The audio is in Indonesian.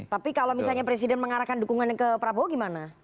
tapi kalau misalnya presiden mengarahkan dukungannya ke prabowo gimana